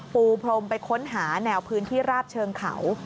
ปูพรมไปค้นหาแนวพื้นที่ราบเชิงเขา